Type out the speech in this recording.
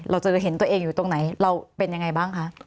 เราเจอเห็นตัวเองอยู่ตรงไหนเราเป็นยังไงบ้างคะ